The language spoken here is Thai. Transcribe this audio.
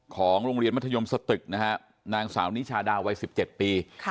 ของโรงเรียนมัธยมสตึกนะฮะนางสาวนิชาดาวัย๑๗ปี